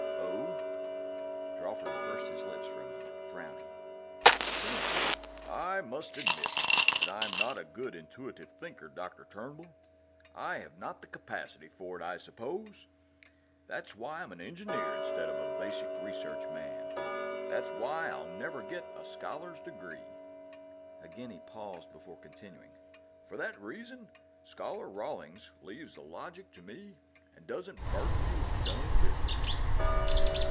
"Oh?" Drawford pursed his lips for a moment, frowning. Then he said: "I must admit that I'm not a good intuitive thinker, Dr. Turnbull. I have not the capacity for it, I suppose. That's why I'm an engineer instead of a basic research man; that's why I'll never get a Scholar's degree." Again he paused before continuing. "For that reason, Scholar Rawlings leaves the logic to me and doesn't burden me with his own business.